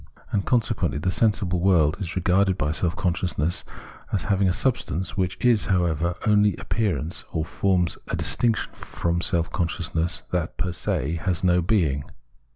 And, conse quently, the sensible world is regarded by self con sciousness as having a subsistence which is, however, only appearance, or forms a distinction from self consciousness that per se has no being.